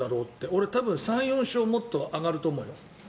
俺、多分３４勝もっと上がると思うよ。